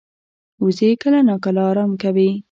وزې کله ناکله آرام کوي